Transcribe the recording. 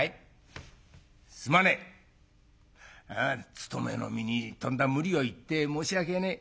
つとめの身にとんだ無理を言って申し訳ねえ。